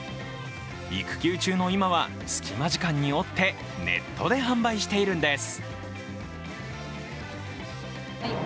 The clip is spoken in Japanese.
育休中の今は、隙間時間に折ってネットで販売しているんです。